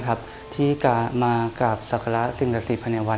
การมาสัครสิทธิ์นิวอรรถ